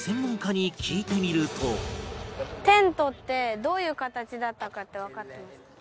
テントってどういう形だったかってわかってますか？